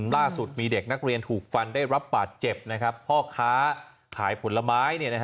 ล่าสุดมีเด็กนักเรียนถูกฟันได้รับบาดเจ็บนะครับพ่อค้าขายผลไม้